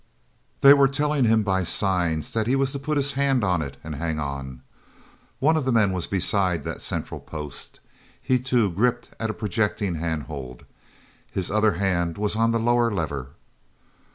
They were telling him by signs that he was to put his hands on it and hang on. One of the men was beside that central post. He too gripped at a projecting hand hold. His other hand was on the lower lever.